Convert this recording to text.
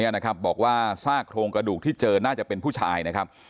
นะครับบอกว่าซากโครงกระดูกที่เจอน่าจะเป็นผู้ชายนะครับ